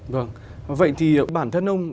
vâng vậy thì bản thân ông